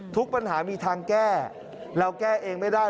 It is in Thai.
ทุกปัญหามีทางแก้เราแก้เองไม่ได้